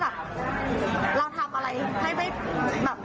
และเราก็มีความรู้สึกว่า